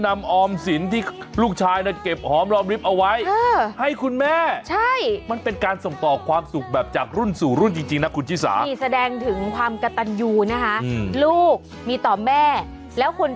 มีหน้าผมไม่เคยได้เลย